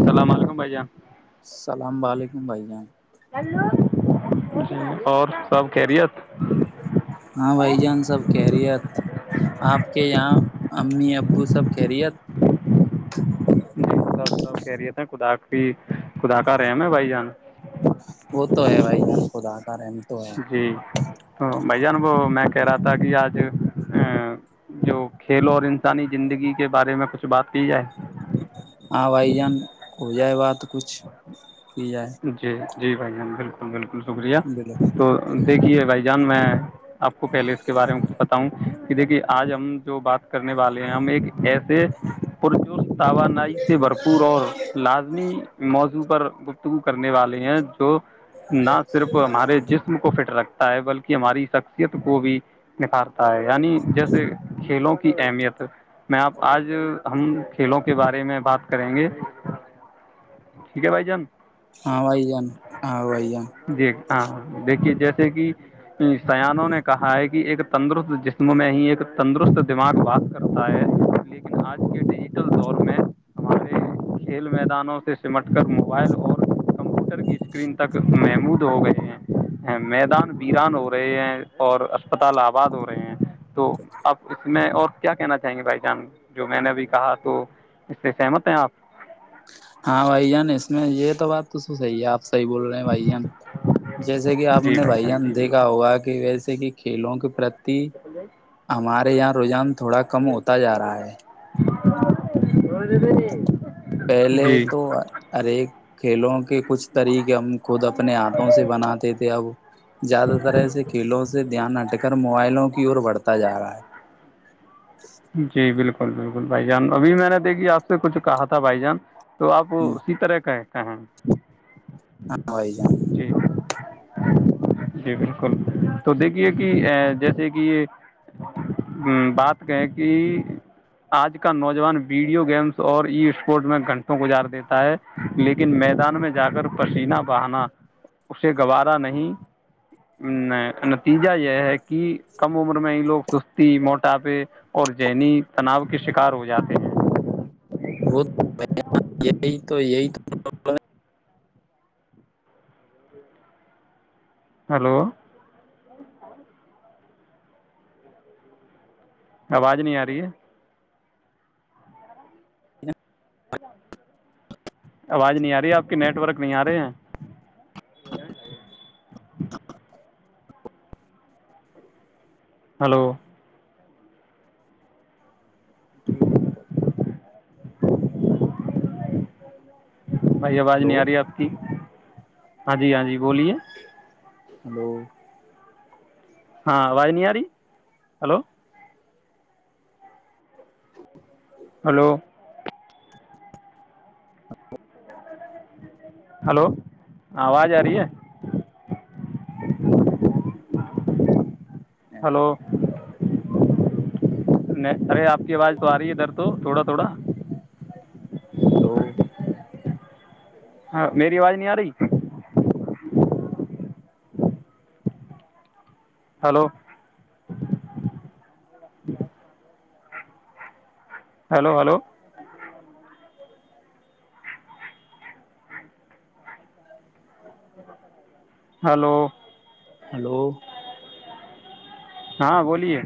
السلام علیکم بھائی جان السلام علیکم بھائی جان جی اور سب کہرییت ہاں بھائی جان سب خیریت آپ کے یہاں امی ابو سب خیریت کہہ رہیے تھے خدا بھی خدا کا ریم ہے بھائی جان وہ تو ہے بھائی جان خود آتا رہ جی تو بھ ج ن وہ میں کہہ رہا تھا کہ آج جو کھیل اور انسانی زندگی کے بارے میں کچھ بات کی جائے آپ آئی جان ہو جائے بات کچھ کی جائے جی جی بھائی جان بالکل بالکل شکریہ بولو تو دیکھیے بھائی جان میں آپ کو پہلے کے بارے میں کچھ بتاؤں دیکھیے آج ہم جو بات کرنے والے ہیں ہم ایک ایسے پجش توانائی سے بھرپور اور لازمی موز وپر کرنے والے ہیں تو نہ صرف ہمارے جسم کو فٹ رکھتے بلکہ ہماری شخصیت کو بھی نکھارتا ہے یعنی جیسے کھیلوں کی اہمیت میں آپ آج ہم کھیلوں کے بارے میں بات کریں گے ٹھیک ہے بھائی جان ہاں وائی جان ہاں وائی جان جی ہاں ہاں دیکھیے جیسے کہ سیانوں نے کہا ہے کہ ایک تندرست جسم میں ہی ایک تندرست دماغ بات کرتا ہے لیکن آج کے ڈیجٹل دور میں ہمارے کھیل میدانوں سے سمٹ کر موبائل اور کمپیوٹر کی اسکرین تک محمود ہو گئے ہیں میدان ویران ہو رہے ہیں اور اسپتال آباد ہو رہے ہیں تو آپ اس میں اور کیا کہنا چاہیں گے بھائی جان جو میں نے ابھی کہا تو اس سے سہمت ہیں آپ ہاں بھائی جان اس میں یہ تو بات تو صحیح ہے آپ صحی بول رہے ہیں بھائی جان جیسے کہ آپ جی نے بھائی جان جی دیکھا بالکل ہوگا کہ ویسے کہ کھیلوں کے پر ہمارے یہاں رجحان تھوڑا کم ہوتا جا رہا ہے [inaudible] پہلے جی تو ہر ایک کھیلوں کہ کچھ طریقے ہم خود اپنے ہاتھوں سے بناتے تھے اب زیادہ تر ایسے کھیلوں سے سے دھیان ہٹ کر موبائلوں کی اور بڑھتا جا رہا ہے جی بالکل بالکل بھائی جان ابھی میں نے دیکھی آپ سے کچھ کہا تھا بھائی جان تو آپ ہے اسی طرح کا ہیں کہاں ہا بھائی جان جی بالکل تو دیکھیے کہ جیسے کہ بات کہیں کہ آج کا نوجوان ویڈیو گیمس اور ای اسپورٹ میں گھنٹوں گزار دیتا ہے لیکن میدان میں جا کر پسیینہ بہانا اسے گوارا نہیں نتیجہ یہ ہے کہ کم عمر میں لوگ سستی موٹاپے اور ذینی تناؤ کے شکار ہو جاتے ہیں وہ یہی تو یہی ہلو آواز نہیں آ رہی ہے آواز نہیں آ رہی آپ کے نیٹورک نہیں آ رہے ہیں ہلو [inaudible] بھائی آواز ہلو نہیں آ رہی آپ کی ہاں جی ہاں جی بولیے ہلو ہاں اواز نہیں ارہی ہلو [inaudible] ہلو ہلو آواز آ رہی ہے ہلو نہیں ارے آپ کی آواز تو آ رہی ہے ادر تو تھوڑا تھوڑا ہلو ہاں میری آواز نہیں آ رہی hello hello hello hello hello ہاں بولیے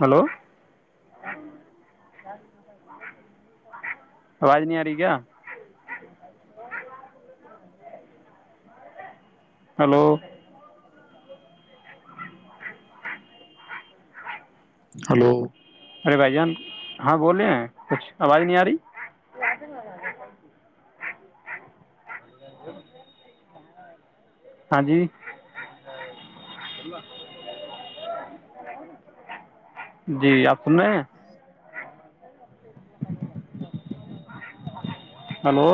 ہلو آواز نہیں آ رہی کیا ہلو ہلو ارے بھائی جان ہاں بولے ہیں کچھ آواز نہیں آرہی [unintelligible] ہاں جی جی آپ سن رہے ہیں ہلو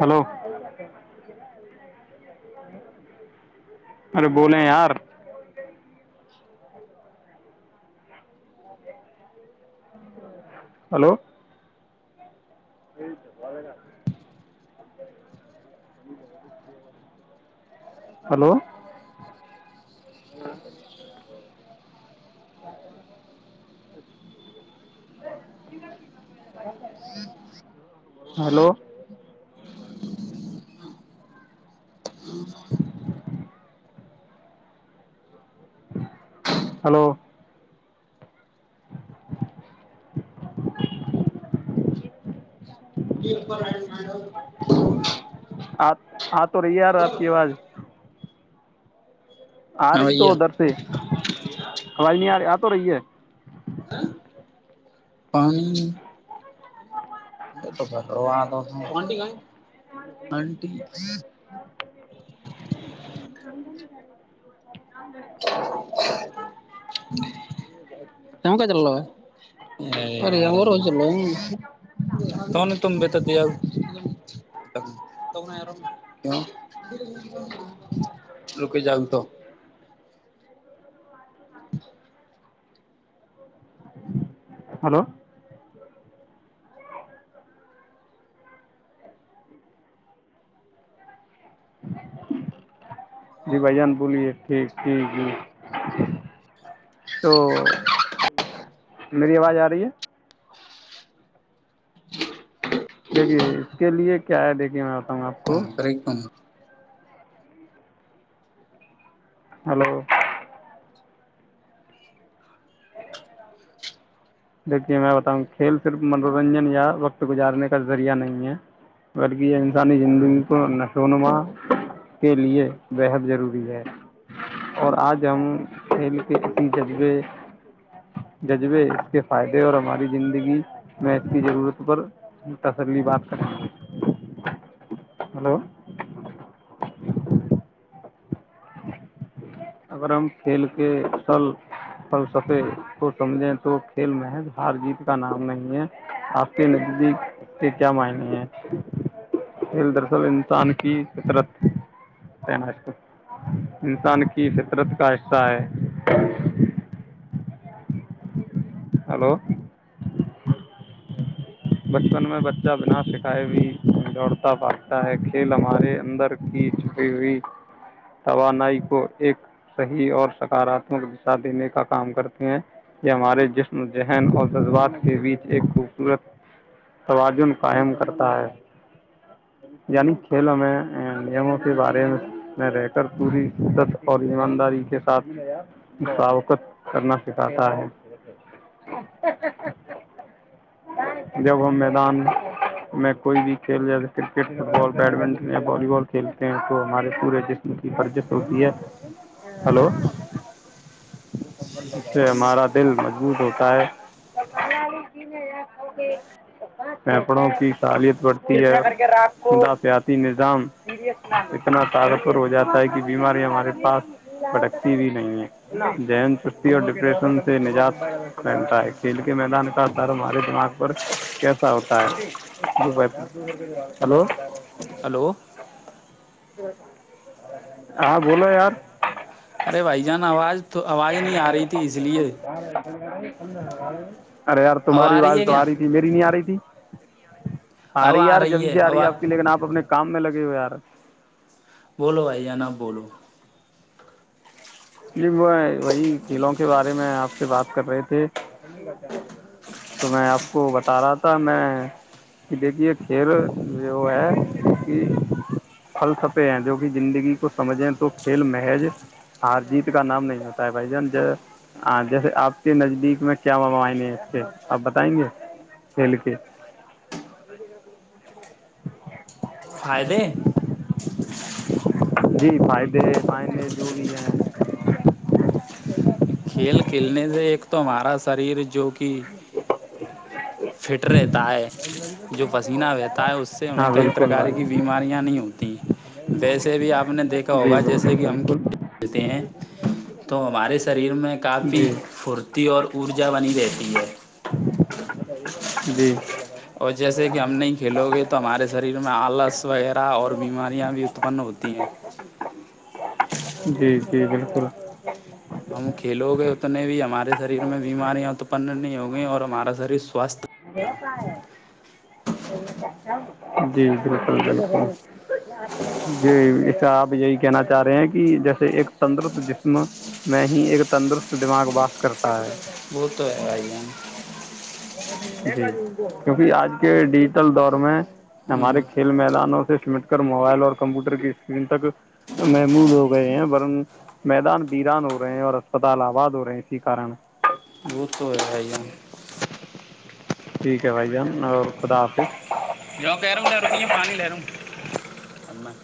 ہلو ارے بولیں یار ہلو ہلو ہلو ہلو [unintelligible] آپ آپ تو رہی یار آپ کی آواز آ ہاں رہی تو بھیا ادر سے آواز نہیں آرہی آتو رہی ہے پانی [unintelligible] [unintelligible] ہلو جی بھائ جان بولیے ٹھیک ٹھیک جی تو [unintelligible] میری آواز آ رہی ہے [unintelligible] دیکھیے اس کے لیے کیا ہے دیکھیے میں آپ بتاؤں کو [unintelligible] ہلو دیکھیے میں بتاؤں کھیل صرف منورنجن یا وقت گزارنے کا ذریعہ نہیں ہے بلکہ یہ انسانی زندگی کو نشوونما کے لیے بےحد ضروری ہے اور آج ہم کھیل کے اسی جذبے جذبے کے فائدے اور ہماری زندگی میں اس کی ضرورت پر تسلی بات کرنا ہلو اگر ہم کھیل کے ا سل فلسفے کو سمجھیں تو کھیل محض ہار جیت کا نام نہیں ہے آپ کے نزدیک کے کیا معنی ہیں کھیل درصل انسان کی فطرت ت انسان کی کی فطرت کا حصہ ہے ہلو بچپن میں بچہ بنا سکھائے بھی دوڑتا باگتا ہے کھیل ہمارے اندر کی چھپی ہوئی توانائی کو ایک صحیح اور سکارات میں دکشہ دینے کا کام کرتے ہیں یہ ہمارے جسم ذہن اور جذبات کے بیچ ایک خوبصورت توازن قائم کرتا ہے یعنی کھیل میں نیموں کے بارے میں میں رہ کر پوری شدت اور ایمانداری کے ساتھ موقت کرنا سکھاتا ہے جب ہم میدان میں کوئی بھی کھیل جیسے کرکٹ فٹ بال بیڈمنٹن یا والی بال کھیلتے ہیں تو ہمارے پورے جسم کی ورزش ہوتی ہے ہلو اس سے ہمارا دل مضبوط ہوتا ہے پھیپڑوں کی سالیت بڑھتی ہےضافیاتی نظام اتنا طارکر ہو جاتا ہے کہ بیماری ہمارے پاس بھٹکتی بھی نہیں ہے ذہن چستی اور ڈپریشن سے نجات پہنتا ہے کھیل کے میدان کا اثر ہمارے دماغ پر کیسا ہوتا ہے ہلو ہلو ہاں بولو یار ارے بھائی جان آواز [inaudible] [inaudible] اب آ رہی ہے کیا [inaudible] اب آ رہی ہے اب [inaudible] [inaudible] [inaudible] [inaudible] [inaudible] [inaudible] [inaudible] [inaudible] کھیل کھیلنے سے ایک تو ہمارا شریر [inaudible] [inaudible] ہاں بالکل بھائی [inaudible] جی بالکل بالکل [inaudible] [inaudible] جی [inaudible] [inaudible] [inaudible] [inaudible] [inaudible] [inaudible] [inaudible] [inaudible] [inaudible] [unintelligible] [inaudible] ہ [inaudible] [inaudible] [inaudible] [inaudible] [inaudible] [inaudible] ہوں